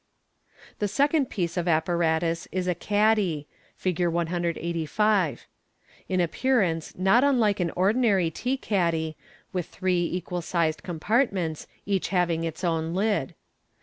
The second piece of apparatus is a caddy (Fig. 185), in appear ance not unlike an ordinary tea caddy, with three equal sized com partments, each having its own lid.